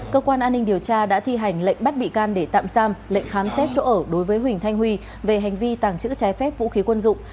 cơ quan an ninh điều tra đã thi hành lệnh bắt bị can để tạm giam lệnh khám xét chỗ ở đối với huỳnh thanh huy về hành vi tàng trữ trái phép vũ khí quân dụng